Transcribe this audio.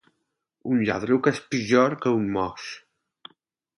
Un lladruc és pitjor que un mos.